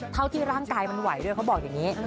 เท่าที่ร่างกายมันไหวด้วยเขาบอกอย่างนี้